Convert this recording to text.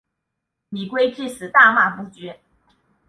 李圭至死大骂不绝。